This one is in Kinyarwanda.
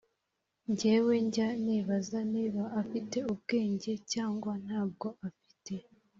njyewe njya nibaza niba afite ubwenge cyangwa ntabwo afite